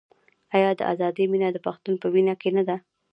آیا د ازادۍ مینه د پښتون په وینه کې نه ده؟